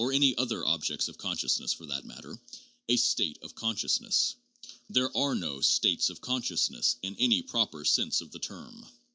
454 THE JOURNAL OF PHILOSOPHY other object of consciousness for that matter, a 'state of conscious ness.' There are no states of consciousness in any proper sense of the term.